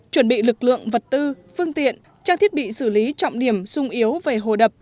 chuẩn bị lực lượng vật tư phương tiện trang thiết bị xử lý trọng điểm sung yếu về hồ đập